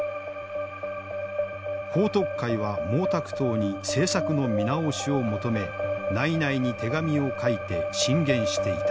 彭徳懐は毛沢東に政策の見直しを求め内々に手紙を書いて進言していた。